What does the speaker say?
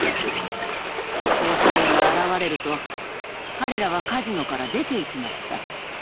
捜査員が現れると彼らはカジノから出ていきました。